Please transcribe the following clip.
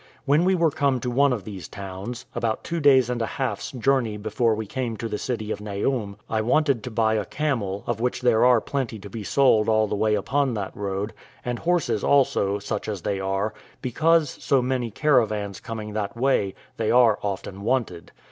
When we were come to one of these towns (about two days and a half's journey before we came to the city of Naum), I wanted to buy a camel, of which there are plenty to be sold all the way upon that road, and horses also, such as they are, because, so many caravans coming that way, they are often wanted.